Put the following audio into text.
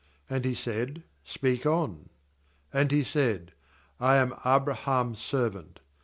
And he said: * Speak on.' ^And he said: *I am Abraham's servant.